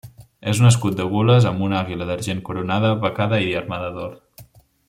És un escut de gules amb una àguila d'argent coronada, becada i armada d'or.